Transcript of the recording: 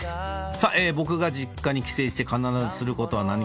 さぁ僕が実家に帰省して必ずすることは何かな。